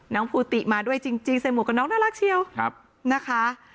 ภูติมาด้วยจริงใส่หมวกกับน้องน่ารักเชียวนะคะ